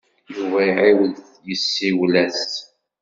Yuba iɛiwed yessiwel-as.